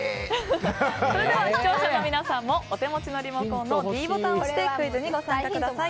それでは視聴者の皆さんもお手持ちのリモコンのｄボタンを押してクイズにご参加ください。